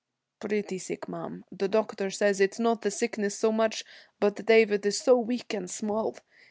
'Pretty sick, ma'am. The doctor says it's not the sickness so much, but David is so weak and small.